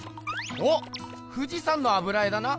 おっ富士山の油絵だな。